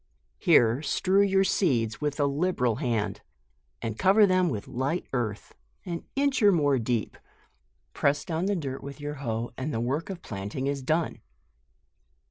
Here strew your seeds with a liberal hand, and cover them with light earth, an inch or more deep ; press down the dirt with your hoe, and the work of planting is done.